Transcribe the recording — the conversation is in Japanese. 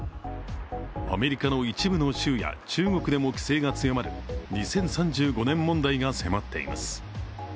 アメリカの一部の州や中国でも規制が強まる２０３５年問題が迫っています。